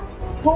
gây nên vấn đạn